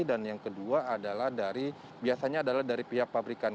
dan yang kedua biasanya adalah dari pihak pabrikan